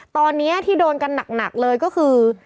ตอนนี้ที่โดนกันหนักเลยก็คือ